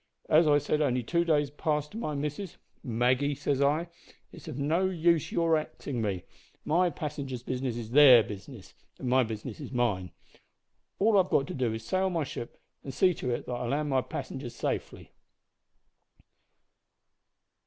As I said only two days past to my missus: "Maggie," says I, "it's of no use your axin' me. My passengers' business is their business, and my business is mine. All I've got to do is to sail my ship, an' see to it that I land my passengers in safety."'